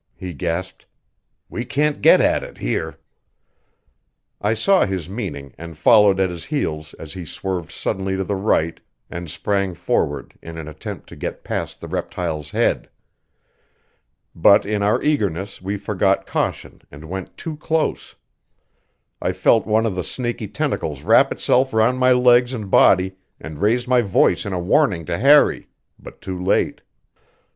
he gasped. "We can't get at it here!" I saw his meaning and followed at his heels as he swerved suddenly to the right and sprang forward in an attempt to get past the reptile's head. But in our eagerness we forgot caution and went too close. I felt one of the snaky tentacles wrap itself round my legs and body, and raised my voice in a warning to Harry, but too late.